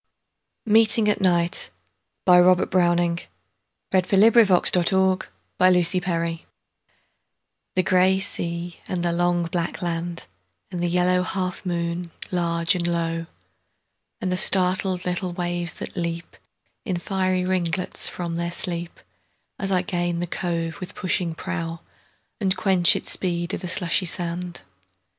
Meeting at Night BrowningR THE GRAY sea and the long black land; And the yellow half moon large and low:And the startled little waves that leapIn fiery ringlets from their sleep, As I gain the cove with pushing prow, And quench its speed i' the slushy sand.